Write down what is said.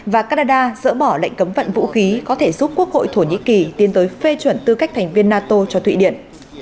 và canada dỡ bỏ lệnh cấm vận vũ khí có thể giúp quốc hội thổ nhĩ kỳ tiến tới phê chuẩn tư cách thành viên nato cho thụy điện